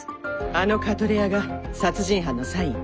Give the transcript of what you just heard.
あのカトレアが殺人犯のサイン。